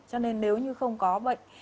cho nên nếu như không có bệnh